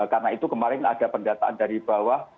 karena itu kemarin ada pendataan dari bawah